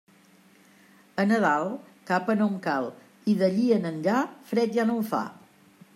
A Nadal, capa no em cal, i d'allí en enllà, fred ja no en fa.